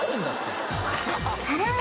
さらに